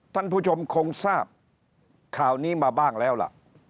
ท่านผู้ชมคงทราบข่าวนี้มาบ้างแล้วล่ะ